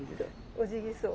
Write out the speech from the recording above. オジギソウ。